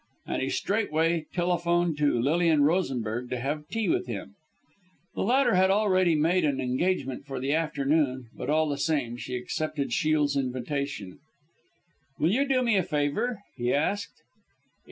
And he straightway telephoned to Lilian Rosenberg to have tea with him. The latter had already made an engagement for the afternoon; but, all the same, she accepted Shiel's invitation. "Will you do me a favour?" he asked.